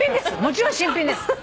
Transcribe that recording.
もちろん新品です。